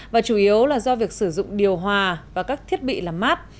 và chủ yếu là do việc sử dụng điều hòa và các thiết bị làm mát